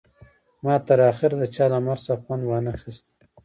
ما تر اخره د چا له مرګ څخه خوند ونه خیست